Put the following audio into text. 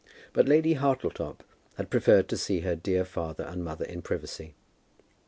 But Lady Hartletop had preferred to see her dear father and mother in privacy.